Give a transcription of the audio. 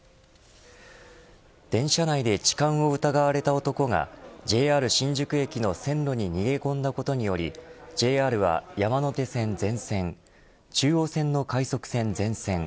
電車内で痴漢を疑われた男がＪＲ新宿駅の線路に逃げ込んだことによりＪＲは山手線全線中央線の快速線全線